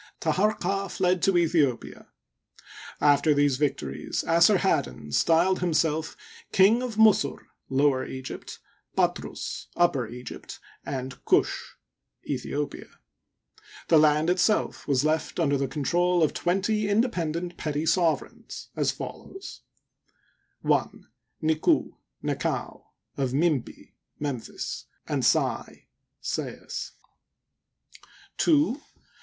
Taharqa fled to Aethiopia. After these victories Assarhaddon styled himself " King of Musur (Lower Egypt), Patrus (Upper Egypt), and Ktish (Aethiopia). The land itself was left under the control of twenty independent petty sovereigns, as follows : 1. NikU'U (Nekau), of Mi im pi (Memphis), and 5a ai (Sais). 2.